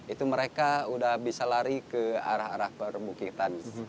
itu mereka sudah bisa lari ke arah arah perbukitan